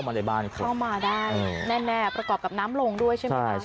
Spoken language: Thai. มาได้แน่ประกอบกับน้ำลงด้วยใช่ไหมครับ